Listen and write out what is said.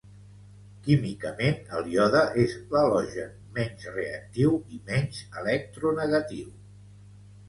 Químicament, el iode és l'halogen menys reactiu i menys electronegatiu.